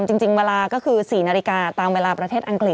จริงเวลาก็คือ๔นาฬิกาตามเวลาประเทศอังกฤษ